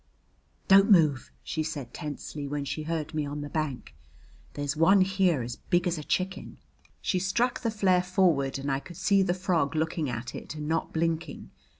"Don't move," she said tensely when she heard me on the bank. "There's one here as big as a chicken!" She struck the flare forward, and I could see the frog looking at it and not blinking.